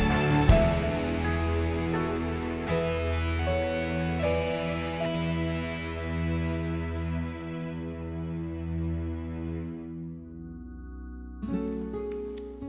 ntar kita ke rumah sakit